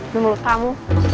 dari mulut kamu